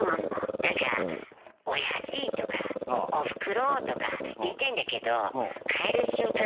何かおやじとかおふくろとか言いたいんだけど変える瞬間